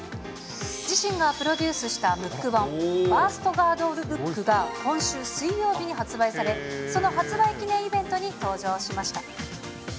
自身がプロデュースしたムック本、ファーストガードルＢＯＯＫが、今週水曜日に発売され、その発売記念イベントに登場しました。